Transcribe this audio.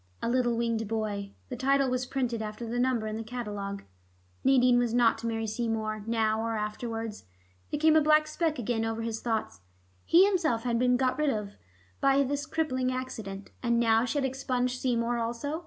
A little winged boy.... The title was printed after the number in the catalogue. Nadine was not to marry Seymour now or afterwards.... There came a black speck again over his thoughts. He himself had been got rid of by this crippling accident, and now she had expunged Seymour also.